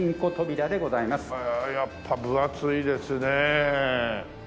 へえやっぱ分厚いですね。